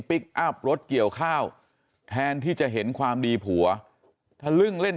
พลิกอัพรถเกี่ยวข้าวแทนที่จะเห็นความดีผัวทะลึ่งเล่น